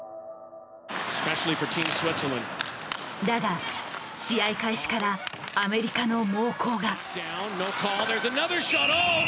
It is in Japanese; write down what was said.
だが試合開始からアメリカの猛攻が。